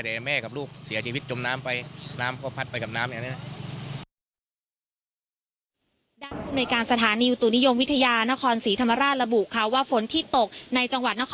แต่แม่กับลูกเสียชีวิตจมน้ำไป